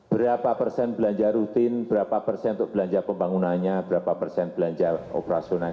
berapa persen belanja rutin berapa persen untuk belanja pembangunannya berapa persen belanja operasional